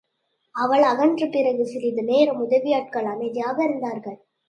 அவன் அகன்ற பிறகு சிறிது நேரம் அந்த உதவியாட்கள் அமைதியாக இருந்தார்கள்.